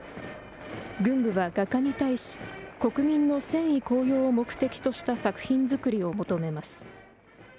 軍部は画家に対し、国民の戦意高揚を目的とした作品作りを求めます。